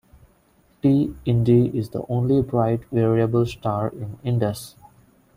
T Indi is the only bright variable star in Indus.